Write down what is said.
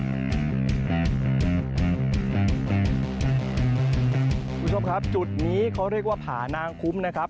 คุณผู้ชมครับจุดนี้เขาเรียกว่าผานางคุ้มนะครับ